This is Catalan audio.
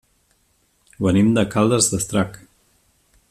Venim de Caldes d'Estrac.